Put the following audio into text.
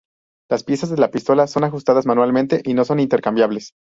Las piezas de la pistola son ajustadas manualmente y no son intercambiables.